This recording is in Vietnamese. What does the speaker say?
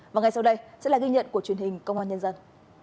và ngay sau đây sẽ là ghi nhận của truyền hình công an nhân dân